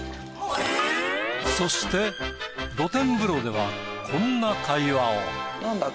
そして露天風呂ではこんな会話を。